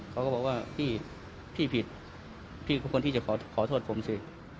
เขาก็บอกว่าพี่พี่ผิดพี่ก็ควรที่จะขอโทษผมสิ